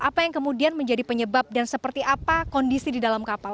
apa yang kemudian menjadi penyebab dan seperti apa kondisi di dalam kapal